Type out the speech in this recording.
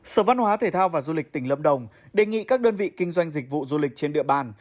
sở văn hóa thể thao và du lịch tỉnh lâm đồng đề nghị các đơn vị kinh doanh dịch vụ du lịch trên địa bàn